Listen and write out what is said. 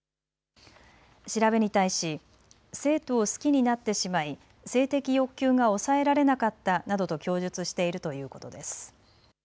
調べに対し生徒を好きになってしまい、性的欲求が抑えられなかったなどと供述しているということです。